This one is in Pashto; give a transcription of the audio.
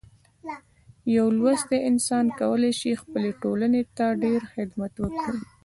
یو لوستی انسان کولی شي خپلې ټولنې ته ډیر خدمت وکړي.